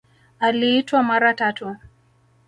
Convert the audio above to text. Aliitwa mara tatu